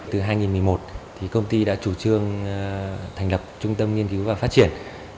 từ hai nghìn một mươi một thì công ty đã chủ trương thành lập trung tâm nghiên cứu và phát triển